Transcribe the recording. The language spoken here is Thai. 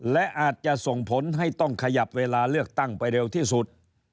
และอาจจะส่งผลให้ต้องขยับเวลาเลือกตั้งไปเร็วที่สุด